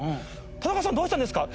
田中さんどうしたんですか？